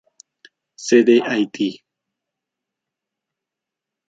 Sede: Haití.